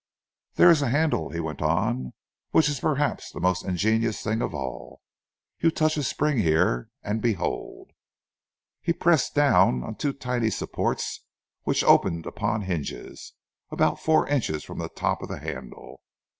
"There is a handle," he went on, "which is perhaps the most ingenious thing of all. You touch a spring here, and behold!" He pressed down two tiny supports which opened upon hinges about four inches from the top of the handle.